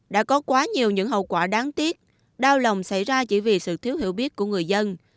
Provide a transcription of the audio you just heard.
đã có quá nhiều những hậu quả đáng tiếc đau lòng xảy ra chỉ vì sự thiếu hiểu biết của người dân